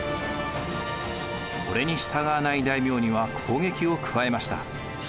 これに従わない大名には攻撃を加えました。